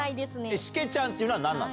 しけちゃんっていうのはなんなの？